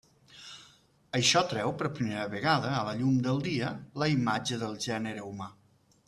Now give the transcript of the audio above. Això treu per primera vegada a la llum del dia la imatge del gènere humà.